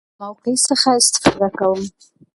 له موقع څخه استفاده کوم.